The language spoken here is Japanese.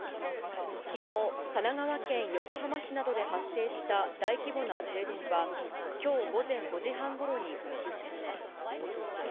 きのう、神奈川県横浜市などで発生した大規模な停電は、きょう午前５時半ごろに復旧しました。